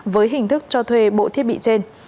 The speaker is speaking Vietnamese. với hình thức cho thuê bộ thiết bị trên